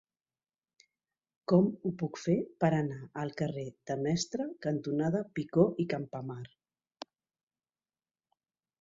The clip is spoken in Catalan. Com ho puc fer per anar al carrer Demestre cantonada Picó i Campamar?